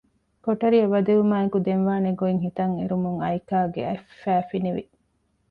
ކޮޓަރިއަށް ވަދެވުމާއެކު ދެން ވާނެގޮތް ހިތަށް އެރުމުން އައިކާގެ އަތްފައި ފިނިވި